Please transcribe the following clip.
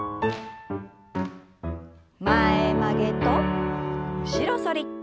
前曲げと後ろ反り。